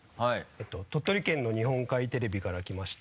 鳥取県の日本海テレビから来ました。